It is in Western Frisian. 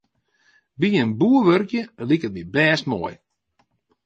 By in boer wurkje liket my bêst moai.